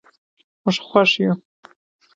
موږ خوښ یو.